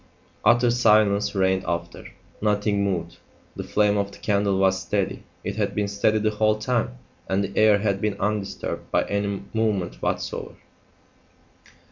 Utter silence reigned after. Nothing moved. The flame of the candle was steady. It had been steady the whole time, and the air had been undisturbed by any movement whatsoever.